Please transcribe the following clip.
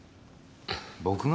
僕が？